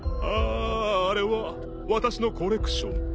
あああれは私のコレクション。